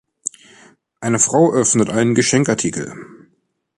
Eine Frau öffnet einen Geschenkartikel